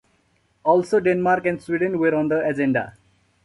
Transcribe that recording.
Also Denmark and Sweden were on the agenda.